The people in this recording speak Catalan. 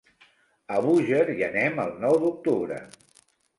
A Búger hi anem el nou d'octubre.